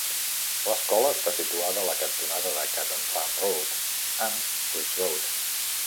L'escola està situada a la cantonada de Caton Farm Road amb Ridge Road.